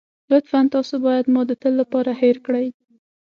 لطفاً تاسو بايد ما د تل لپاره هېره کړئ.